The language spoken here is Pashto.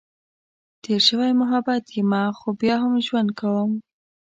تېر شوی محبت یمه، خو بیا هم ژوند کؤم.